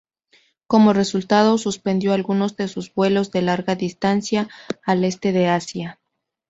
Como resultado, suspendió algunos de sus vuelos de larga distancia al este de Asia.